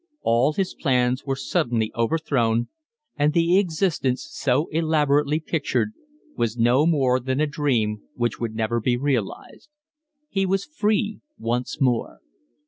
All his plans were suddenly overthrown, and the existence, so elaborately pictured, was no more than a dream which would never be realised. He was free once more.